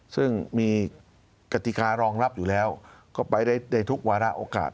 ซึ่งมีกติการองรับอยู่แล้วก็ไปได้ทุกวาระโอกาส